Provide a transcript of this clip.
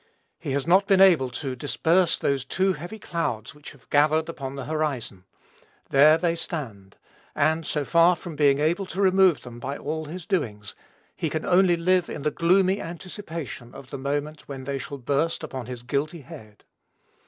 He has not been able to disperse those two heavy clouds which have gathered upon the horizon. There they stand; and, so far from being able to remove them, by all his doings, he can only live in the gloomy anticipation of the moment when they shall burst upon his guilty head.